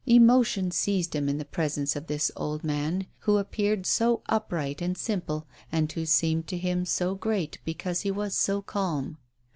Emotion seized him in the presence of this old man, who appeared so upright and simple, and who seemed to him so great because he was so calm.